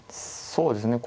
そうですね。